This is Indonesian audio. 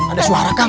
ada suara kan